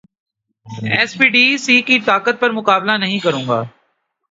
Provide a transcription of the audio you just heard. S P, D C کی طاقت پر مقابلہ نہیں کروں گا